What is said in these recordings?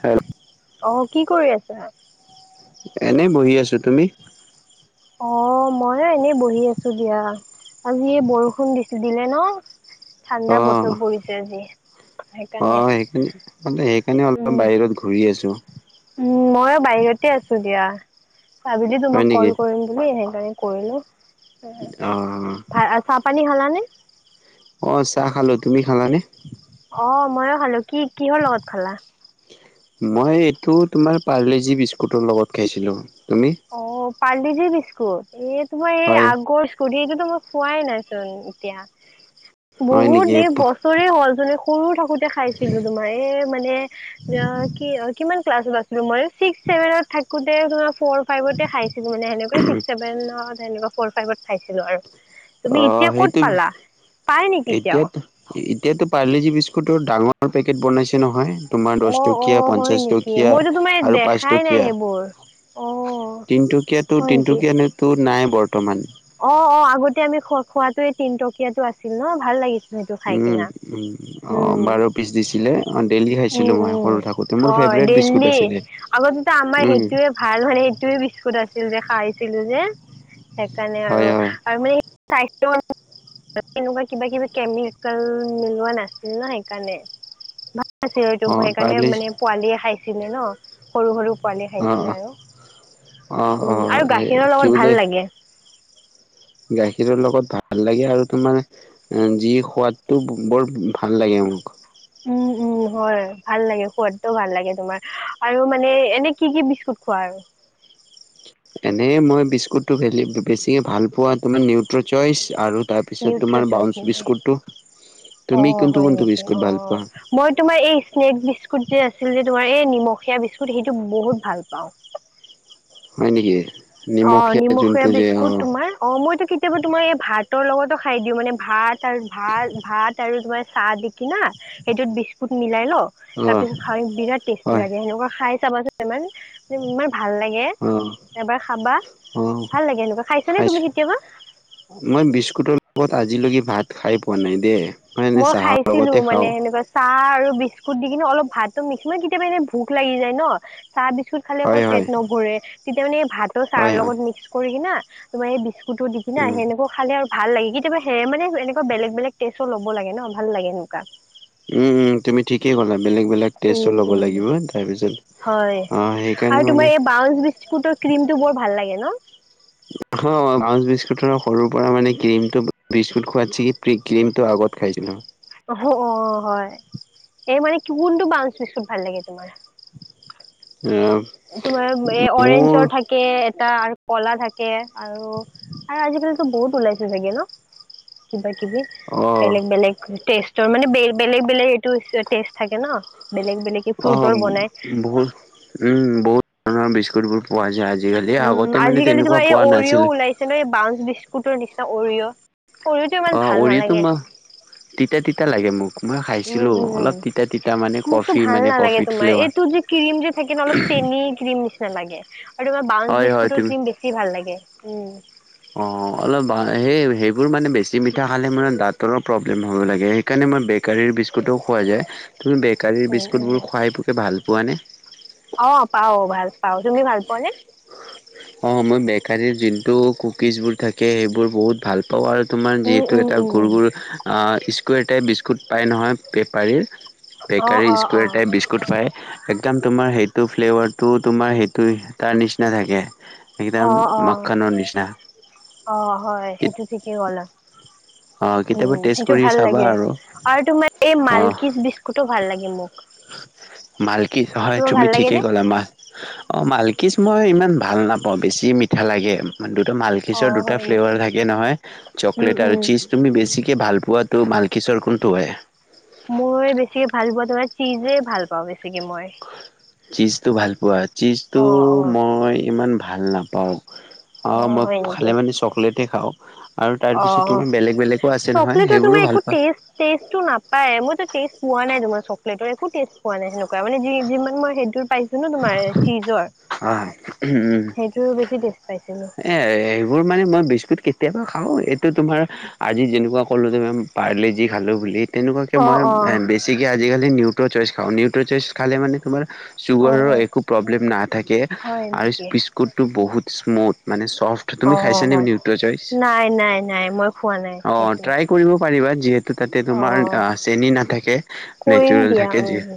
হ অ কি কৰি আছা এনেই বহি আছো তুমি অ ময় এনেই বহি আছো দিয়া আজি বৰষুণ দি দিলে ন অ ঠাণ্ডা বতৰ পৰিছে আজি অ সেইকাৰণে সেই মানে সেইকাৰণে অলপ বাহিৰত ঘূৰি আছো উ মইো বাহিৰতে আছো দিয়া চাবিলি হয় তোমাক নেকি কল কৰিম বুলি সেইকাৰণে কৰিলো অ ভ চাহ পানী খালাানে অ চাহ খালো তুমি খালানে অ মইো খালো কি কিহৰ লগত খালা মই এইটো তোমাৰ পাৰ্লেজি বিস্কুটৰ লগত খাইছিলোঁ তুমি অ পাল্ি যেি বিস্কুট এই তোমাৰ এই হয় আগৰ টোতো মই খোৱাই নাইচোন এতিয়া হয় বহুত নেকি দে বস্ত ৰে হ'ল যোনে সৰু থাকোতে খাইছিলো তোমাৰ এ মানে কি কিমান ক্লাছত আছিলো মই ছিক্স চছেভেনত থাকোতে তমাৰ ফৰ ফাইভতে খাইছিলো মানে সেনেকে চিক্স ছেভেনত সেকুৱা ফ'ৰ ফাইভত খাইছিলো আৰু তুমি অ এতিয়া ক'ত সেইটো পালা পাই নেকি এতিয়া এতিয়াও এতিয়াতো পাৰ্লিজি বিস্কুটৰ ডাঙৰ পেকেট বনাইছে নহয় তোমাৰ দহ অ অ টকীয়া হয় পঞ্চাছ নেকি টকীয়া মইতো তোমাৰ আৰু পাঁচ দেখাই নাই সেইবোৰ অ টকীয়া তিনটুকীয়াাতো হয় নেকি তিনটুকীয়াো নাই বৰ্তমান অ অ আগতে আমি খ খোৱাাতে তিনটকীয়াাতটো আছিল ন ভাল লাগিছিল সেইটো খাই কিনা অঁ উম বাৰ পিছ দিছিলে অঁ ডেইলি উম খাইছিলোঁ মই উম সৰু থাকোঁ হয় দেললি আগতেতো আমাৰ উম সেইটোয়ে ভাল মানে এইটোয়ে বিস্কুট আছিল যে খাইছিলো যে সেইকাৰণে হয় আৰু হয় আৰু মানে স্বাস্থ তেনেকুৱা কিবা কিবি কেমিকেল মিলোৱা নাছিল ন সেইকাৰণে আছিল এই ত অ সেইকাৰণে পাৰলি মানে পোৱালিয় খাইছিলে ন সৰু সৰু পোৱালি অ খাইছিলে আৰু অ অ উম আৰু সেই গাখীৰৰ কি লগত বোলে ভাল লাগে গাখীৰৰ লগত ভাল লাগে আৰু তোাৰে যি সোৱাদটো বৰ ভাল লাগে মোক উম উম হয় ভাল লাগে সোৱাদটো ভাল লাগে তোমাৰ আৰু মানে এনে কি কি বিস্কুট খোৱা আৰু এনেই মই বিস্কুটটো ভ বেছিকৈ ভালপোৱা তোমাৰ নিউট্ৰ' চইচ আৰু তাৰপিছত নিউট্ৰ তোমাৰ চইচ বাউন্ঞ্চ নেকি বিস্কুটটো অ তুমি কোনটো হয় কোনটো নেকি অ বিস্কুট ভাল পোৱা মই তোমাৰ এই স্নেক বিস্কুট যে আছিল যে তোমাৰ এই নিমখীয়া বিস্কুট সেইটো বহুত ভাল পাওঁ হয় নেকি অ নিমখীয়া যোনটো যে অ বিস্কুট তোমাৰ অ মইতো কেতিয়াবা তোমাৰ এই ভাতৰ লগতো খাই দিওঁ মানে ভাত তাৰ ভাত ভাত আৰু তোমাৰ চাহ দি কি না সেইটোত বিস্কুট মিলাই ন অ তাৰ পিছত খা বিৰাট টেষ্টি হয় লাগে সেনেকুৱা খাই চাবাচোন ইমানে ইমান ভাল লাগে অ এবাৰ খাবা অ ভাল লাগে এনেকুৱা খাইছ নে খাইছো তুমি কেতিয়াবা মই বিস্কুটৰ লগত আজিলৈকে ভাত খাই পোৱা নাই দেই এনে মই চাহৰ খাইছিলো লগতে মানে খাওঁ। সেনেকুৱা চাহ আৰু বিস্কুট দি কিনে অলপ ভাতটো মিক্স ম কেতিয়াবা এনে ভোক লাগি যায় ন চাহ বিস্কুট খালি অকল হয় পেট হয়, নভৰে তেতিয়া মানে এই ভাত আৰু চাহৰ হয় হয়, লগত মিক্স কৰি কিনা তোমাৰ এই বি্ কুতো দি কি না উম। সেনেকে খালে আৰু ভাল লাগে কেতিাবা সে মানে এনেকুৱা বেগ বেলেগেৰ হব লাগে ন ভাল লাগে এনেুৱা তুমি ঠিকেই ক'লা বেলেগ বেলেগ টেষ্টো উম ল'ব উম লাগিব তাৰপিছ হয় আৰু তোমাৰ এই বউ বিস্কুটৰ কমটো বৰ ভাল লাগে ন অ ব্ৰাউঞ্চ বিস্কুটৰ সৰুৰ পৰা মানে ক্ৰীমটো বিস্কুট খোৱাতছ কি ক্ৰীমটো আগত খাইছিলোঁ অ অ হয় এই মানে কি কোনটো বাউস বেছি ভাল লাগে তোমাৰ অ তোমাৰ এ মোৰ অৰেঞ্জৰ থাকে এটা আৰু কলা থাকে আৰু আৰু আজিকালিতো বহুত ওলাইছে চাগে ন কিবা কিবি অ' বেলেগ বেলেগ টেষ্টৰ মানে বেলেগ বেলেগ এইটো টেষ্ট থাকে ন বেলেগ বেলেগ অ' ফ্ৰুটৰ বনাই বহুত বহুত ধৰণৰ বিস্কুটবোৰ পোৱা যায় আজিকালি উম আগতে মানে আজিকালি তোমাৰ তেনেকুৱা এই পোৱা অৰিঅ' নাছিলে ওলাইছে এই বাউ বিস্কুটৰ নিচিনা অৰিঅ' অৰিঅ'টো ইমান অ' ভাল অৰিয়েতো নালাগে মই তিতা তিতা লাগে মোক মই উম খাইছিলোঁ উম উম অলপ তিতা তিতা মানে মোকতো কফি ভাল মানে নালাগে কফিত তোমাৰ ফ্লেভাৰ এইটো যে ক্ৰ্ৰীম যে থাকে অলপ চেনি ক্ৰীম নিচিনা লাগে আৰু তোমাৰ ব্ৰউন হয় হয় বিস্কুটৰ তুমি ক্ৰীম বেছি ভাল লাগে উম অঁ অলপ সেই সেইবোৰ মানে বেছি মিঠা খালে মানে দাঁতৰো প্ৰব্লেম হ'ব লাগে সেইকাৰণে মই বেকাৰীৰ বিস্কুটোও খোৱা যায় তুমি বেকাৰীৰ উম উম বিস্কুটবোৰ খুৱাই বকে ভাল পোৱা নে অ পাও ভাল পাও তুমি ভাল পোৱা নে অঁ মই বেকাৰীৰ যোনটো কুকিজবোৰ থাকে সেইবোৰ বহুত ভাল পাওঁ আৰু তোমাৰ উম, যিহেতু উম, এটা গুৰ উম। গুৰ স্কুৱেৰটাইপ বিস্কুট পাই নহয় বেপাৰীৰ অ', বেকাৰী অ', স্কেৰ অ', টাইপ বিশ গুড ফ্ৰাই একদম তোমাৰ সেইটো ফ্লেভাৰটো তোমাৰ সেইটো তাৰ নিচিনা থাকে একদম অ অ মাখানৰ নিচিনা অ হয় সেইটো ঠিকেই হ'ল অ' আৰু কেতিয়াবা উম টেষ্ট সেইটো কৰি ভাল চাবা লাগে আৰু আৰু তোমাৰ এই মালকিজ বিস্কুটো ভাল লাগে মোক মালকিজ হয় তোমাৰ ভাল তুমি লাগে ঠিকেই নে? ক'লা মা অ মালকিজ মই ইমান ভাল নাপাওঁ বেছি মিঠা লাগে মানটোতো মাল মিলকিছৰ অ', দুটা হয় ফ্লেভাৰ নেকি? থাকে নহয় উম, চকলেট আৰু উম। চীজ তুমি বেছিকৈ ভাল পোৱাটো মালকিছৰ কোনটো হয় মই বেছিকে ভাল পোৱা ধৰা চিজেই ভাল পাওঁ বেছিকে মই চীজটো ভাল পোৱা চীজটো অ', অ', মই ইমান ভাল নাপাওঁ অ মই হয় খালে নেকি? মানে চকলেটে খাওঁ আৰু তাৰপিছত অ'। তোমাৰ বেলেগ বেলেগো আছে নহয় চকলেটৰ তোমাৰ সেইবোৰো একো ভাল পাওঁ টেষ্ট টেষ্টটো নাপায় মইতো টেষ্ট পোৱা নাই তোমাৰ চকলেটৰ একো টেষ্ট পোৱা নাই সেনেৱা মানে যি যিমান মই সেইটো পাইছো ন তোমাৰ চিজৰ অ সেইটোৰো বেছি টেষ্ট পাইছিলো এই সেইবোৰ মানে মই বিস্কুট কেতিয়াবা খাওঁ এইটো তোমাৰ আজি যেনেকুৱা কলো তুমি পাৰলে যি খালো বুলি তেনেকুৱাকৈ অ মই অ বেছিকৈ আজিকালি নিউট্ৰ' চইচ খাওঁ নিউট্ৰ' চইচ খালে মানে তোমাৰ অ চুগাৰৰ অ একো প্ৰব্লেম নাথাকে হয় আৰু নেকি বিস্কুটটো বহুত স্মুথ মানে চফ্ট তুমি অ খাইছানে নিউট্ৰ চইচ নাই নাই নাই মই খোৱা নাই অ সেইটো ট্ৰাই কৰিব পাৰিবা যিহেতু তাতে অ তুমাৰ চেনী নাথাকে কৰিম নেচাৰেল দিয়া থাকে যি উ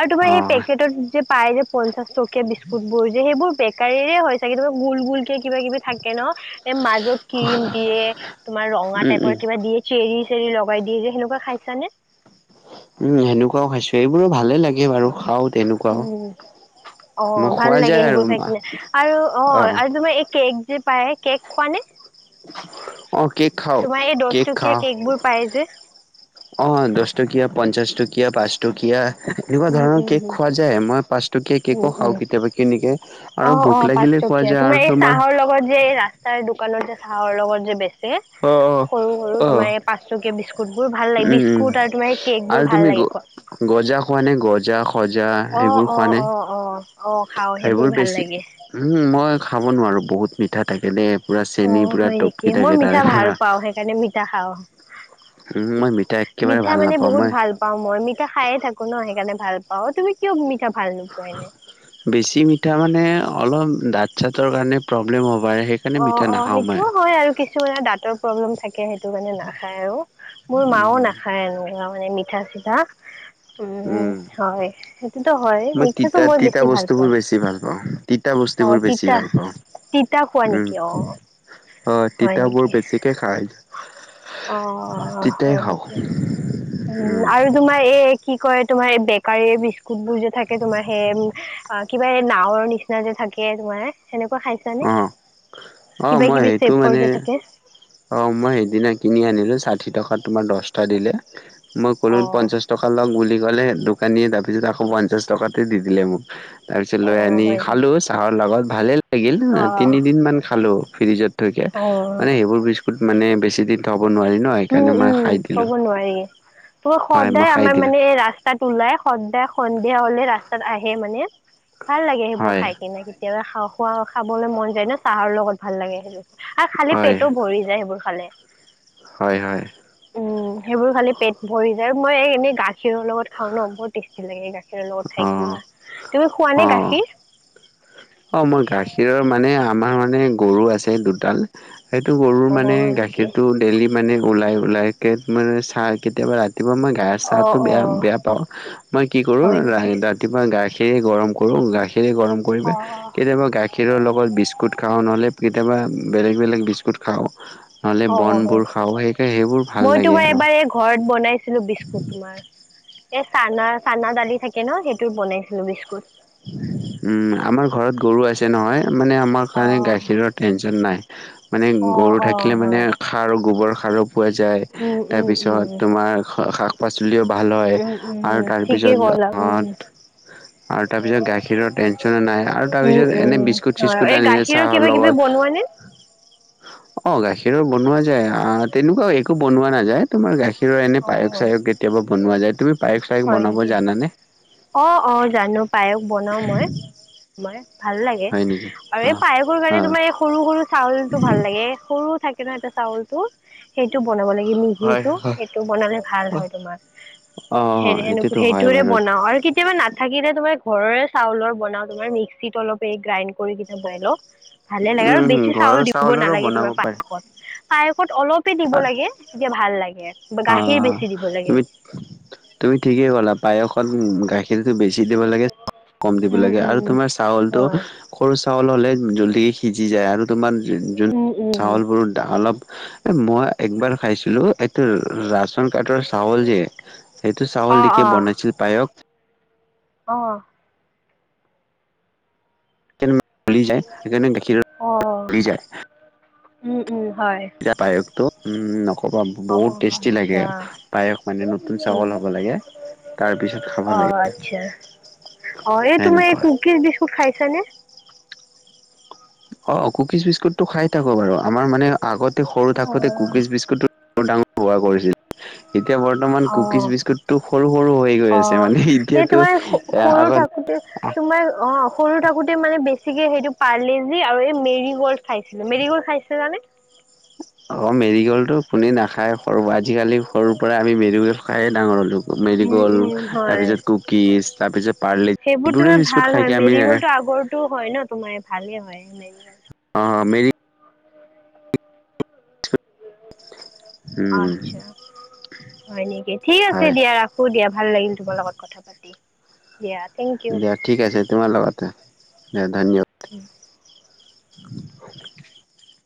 আৰু তোমাৰ অ পে যে পায় যে পঞ্চাশ টকীয়া বিস্কুট বোৰ যে সেইবোৰ গৰে হয় হৈছে কেয়াৰ হয় চাগে গোল গোলকে কিবা কিবি থাকে ন এ মাজত ক্ৰীম দিয়ে তোমাৰ ৰঙা উম, উম, টাইপৰ কিবা দিয়ে চেৰি চেৰি লগাই দিয়ে যে সেনেকুৱা খাইছা নে উম সেনেকুৱাও খাইছো এইবোৰো ভালে লাগে বাৰু খাও তেনেকুৱা উ অ ভাল লাগে যায় আৰু সেইবোৰ খাই কিনে আৰু অ আৰু তোমাৰ কেক যে পায় কেক খোৱা নে অ', কেক খাও তোমাৰ এই কেক দহটকীয়া কেক বোৰ পাই যে অঁ দহ টকীয়া পঞ্চাছ টকীয়া পাঁচ টকীয়া এনেকুৱা উম ধৰণৰ উম কেক হম। খোৱা যায় মই পাঁচটকীয়া উম কেকো উম খাওঁ কেতিয়াবা কেনেকে অ আৰু অ ভোক পাঁচ লাগিলে খোৱা টকীয়া যায় আৰু এই তোমাৰ চাহৰ লগত যে এই ৰাস্তাৰ দোকানৰ যে চাহৰ লগত যে বেচে। অ' সৰু সৰু অ', তোমাৰ এই পাঁচটকীয়া বিস্কুট বোৰ ভাল লাগে উম, উম, বিস্কুট আৰু তোমাৰ এই কেক আৰু বোৰ ভাল তুমি গ লাগে খোৱা। গজা খোৱা নে গজা? সজা অ সেইবোৰ খোৱা অ', নাই অ', অ', অ', খাওঁ সেইবোৰ ভাল বেছি লাগে। মই খাব নোৱাৰোঁ বহুত মিঠা থাকে দেই পুৰা অ চেনী পূৰা হয় নেকি টপকি মই থাকে। তাৰে মিঠা ভাল পৰা। পাও সেইকাৰণে মিঠা খাওঁ। মই মিঠাই একেবাৰে ভাল নাপাওঁ মই পা মই মিঠা খায়ে থাকো ন সেইকাৰণে ভাল পা তুমি কিয় মিঠা ভাল নোপোৱাই নাই? বেছি মিঠা মানে অলপ দাঁত চাঁতৰ কাৰণে প্ৰব্লেম হ'ব পাৰে সেই অ', অ' সেইটোও হয় আৰু কিছুমানৰ দাঁতৰ প্ৰব্লেম থাকে সেইটো কাৰণে নাখায় আৰু। মোৰ মাও উম, নাখায় এনেকুৱা মানে মিঠা চিঠা উম হয়। সেইটো হয় মই তিতা মিঠাটো মই তিতা বেছি ভাল বস্তুবোৰ পাওঁ বেছি ভাল পাওঁ তিতা অ' বস্তুবোৰ বেছি তিতা। ভাল পাওঁ তিতা খোৱা নি উম। কিয়। অ' তিতাবোৰ বেছিকে খাই। অ' তিতাই হয় খাওঁ নেকি উম আৰু তোমাৰ এই কি কয় তোমাৰ এই বেকাৰী বিস্কুট বোৰ যে থাকে তোমাৰ সেই কিবা এই নাাৱৰ নিচিনা যে থাকে তোমাৰ সেনেকুৱা খাইছ নে? অ'। অ' মই সেইটো মানে যে থাকে অ' মই সেইদিনা কিনি আনিলো ষাঠি টকাত তোমাৰ দহটা দিলে। মই ক'লো অ পঞ্চাছ টকা লওক বুলি ক'লে দোকানীয়ে তাৰপিছত আকৌ পঞ্চাছ টকাতে দি দিলে মোক। তাৰপিছত অ লৈ আনি হয় খালো নেকি চাহৰ লগত ভালে লাগিল অ তিনিদিন মান খালো ফ্ৰিজত থৈকে অ মানে এইবোৰ বিস্কুট মানে বেছি দিন থব নোৱাৰি। ন উম, সেইকাৰণে মই উম খাই দিলো থব নোৱাৰি মই হয় মই সদায় খাই আমাৰ দিলো। মানে এই ৰা ৰাস্তাত ওলাই সদা সন্ধিয়া হলে ৰাস্তাত আহে মানে ভাল লাগে সেইবোৰ হয় খাই কিনি। কেতিয় খাও খোৱা খাবলৈ মন যায় ন চাহৰ লগত ভাল লাগে সেইটো। আৰু খালি হয় পেটও ভৰি যায় সেইবোৰ খালে। হয় হয়। উম, সেইবোৰ খালি পেট ভৰি যায় মই এনেই গাখীৰৰ লগত খাও ন বহুত টেষ্টি লাগে গাখীৰ গাখীৰ লগত খাই অ কিনা তুমি খোৱা নে অ। গাখীৰ? অ' মোৰ গাখীৰৰ মানে আমাৰ মানে গৰু আছে দুডাল সেইটো গৰুৰ অ মানে হয় নেকি গাখীৰটো ডেইেলি মানে ওলাই ওলাইকে মানে চাহ কেতিয়াবা ৰাতিপুৱা মই তাৰ অ চাহটো অ বেয়া বেয়া পাওঁ মই কি কৰো। হয় নেকি কেতিয়াবা গাখীৰে গৰম কৰোঁ গাখীৰে গৰম কৰি অ' কেতিয়াবা গাখীৰৰ লগত বিস্কুট খাওঁ নহ'লে কেতিয়াবা বেলেগ বেলেগ বিস্কুট খাওঁ। নহ'লে অ' বনবোৰ খাওঁ সেইকাৰণে সেইবোৰ ভাল মই লাগে তোমাৰ আৰু এবাৰ এই ঘৰত বনাইছিলোঁ বিস্কুট তোমাৰ। এ চানা চানা দালি থাকে ন সেইটোত বনাইছিলো বিস্কুট। উম, আমাৰ ঘৰত গৰু আছে নহয় মানে আমাৰ অ কাৰণে গাখীৰৰ টেনচন নাই। মানে অ গৰু অ থাকিলে হয় মানে সাৰ গোবৰসাৰো পোৱা যায় উম উম তাৰপিছত উম তোমাৰ শাক পাচলিও ভাল হয় উম উম আৰু ঠিকেই তাৰপিছত ক'লা উম আৰু তাৰপিছত গাখীৰৰ টেনচনো নাই আৰু উম তাৰপিছত উম এনে বিস্কুট হয় চিস্কুট এই আনিলে গাখীৰৰ চাহৰ কিবা কিবি লগত [unintelligible] অ' গাখীৰৰ বনোৱা যায় তেনেকুৱাও একো বনোৱা নাযায়। তোমাৰ গাখীৰৰ এনে অ পায়স চায়স কেতিয়াবা বনোৱা যায় তুমি পায়স চায়স হয় বনাব নেকি জানানে? অ', অ' জানো পায়স বনাও মই মই ভাল লাগে। হয় নেকি আৰু এই অ' পায়সোৰ কাৰণে অ' তোমাৰ এই সৰু সৰু চাউলটো ভাল লাগে সৰু থাকে। কেনে এটা চাউল টো সেইটো বনাব লাগে হয়, মিহিটো। সেইটো বনালে ভাল হয় তোমাৰ সে অ' সেইটোতো হয় সেইটোৰে বাৰু বনাও আৰু কেতিয়াবা না থাকিলে তোমাৰ ঘৰৰে চাউলৰ বনাও তোমাৰ মিক্সিত অলপ এই গ্ৰাইণ্ড কৰি কেনি বনাই লও ভালে লাগে আৰু উম, হম বেছি ঘৰৰ চাউল দিব চাউলৰো নালাগে বনাব তোমাৰ পাৰে। পায়সত পায়সত অলপে দিব লাগে তেতিয়া ভাল লাগে বা গাখীৰ অ', বেছি দিব লাগে। তুমি তুমি ঠিকেই ক'লা পায়সত গাখী ৰটো বেছি দিব লাগে কম দিব উম লাগে আৰু উম উম তোমাৰ চাউলটো হয় সৰু চাউল হ'লে জলদি সিজি যায় আৰু তোমাৰ যোন উম উম উম চাউলবোৰ অলপ মই একবাৰ খাইছিলোঁ এইটো ৰেচন কাৰ্ডৰ চউল যে সেইটো অ চাউল দি অ কি বনাইছিল পায়স অ গলি যায় সেইকাৰণে গাখীৰ অ উম উম হয় যায় পায়সটো উম ন অ বহুত টেষ্টি লাগে আচ্ছা পায়স মানে নতুন উম চাউল হ'ব লাগে তাৰপিছত খাব অ লাগে আচ্ছা অ এই তোমাৰ এই সেনেকুৱা। কুকিজ বিস্কুট খাইছা নে অ কুকিজ বিস্কুটটো খাই থাকো বাৰু আমাৰ মানে আগতে সৰু অ থাকোঁতে কু [unintelligible] অলমান অ কুকিজ বিস্কুট টো সৰু সৰু হৈ গৈ অ আছে মানে এই এতিয়াতো তোমাৰ এ সৰু আগত থাকোতে তোমাৰ অ সৰু থাকোঁতে মানে বেছিকে সেইটো পাৰলেজি আৰু এই মেৰি গ'ল্ড খাইছিলো মেৰি গ'ল্ড খাইছিলানে অ মেৰি গ'ল টো কোনে নাখায় সৰু আজিকালি সৰুৰ পৰাই আমি মেৰিগ'ল্ড খাইৱে ডাঙৰ হ'লো মেৰি উম গল উম হয়। তাৰপিছত কুকিজ তাৰপিছত পাৰ্লি সেইবোৰ তোমাৰ ভাল হয় মেৰি হ'লটো আগৰটো হয় ন তোমাৰ ভালে হয় মেৰি হ অ মেৰি উম, আছা হয় নেকি ঠিক আছে হয় দিয়া ৰাখ ৰাখো দিয়া ভাল লাগিল তোমাৰ লগত কথা পাতি দিয়া থেংক ইউ। দিয়া ঠিক আছে তোমাৰ লগতে দিয়া ধন্যবাদ [inaudible]